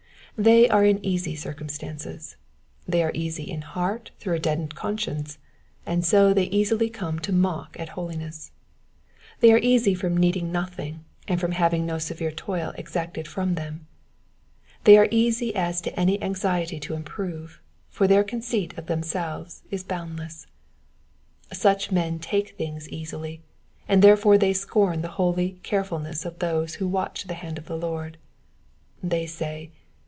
They are in easy circumstances ; they are easy in heart through a deadened conscience, and so they easily come to mock at holiness ; they are easy from needing nothing, and from having no severe toil exacted from them ; they are easy as to any anxiety to improve, for their conceit of them selves is boundless. Such men take things easily, and therefore they scorn the holy carefulness of those who watch the hand of the Lord. They say.